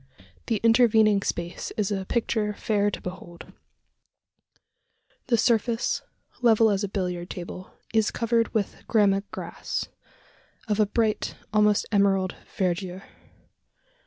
The intervening space is a picture fair to behold. The surface, level as a billiard table, is covered with gramma grass, of a bright, almost emerald verdure.